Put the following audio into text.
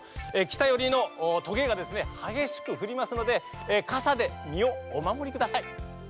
きたよりのとげがですねはげしくふりますのでかさでみをおまもりください。